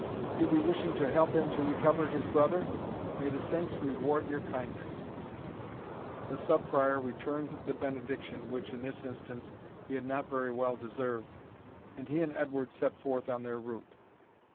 "You'll be wishing to help him to recover his brother? May the saints reward your kindness!" The Sub Prior returned the benediction which, in this instance, he had not very well deserved, and he and Edward set forth on their route.